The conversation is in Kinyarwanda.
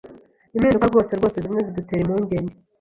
Impinduka rwose rwose zimwe zidutera impungenge